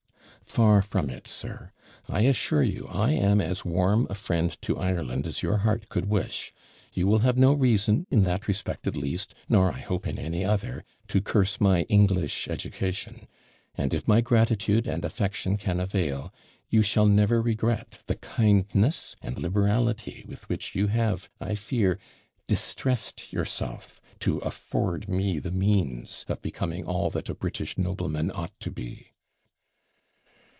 'Far from it, sir; I assure you, I am as warm a friend to Ireland as your heart could wish. You will have no reason, in that respect at least, nor, I hope, in any other, to curse my English education; and, if my gratitude and affection can avail, you shall never regret the kindness and liberality with which you have, I fear, distressed yourself to afford me the means of becoming all that a British nobleman ought to be.'